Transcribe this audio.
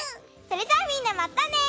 それじゃあみんなまたね！